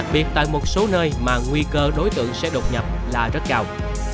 việc tại một số nơi mà nguy cơ đối tượng sẽ đột nhập là rất cao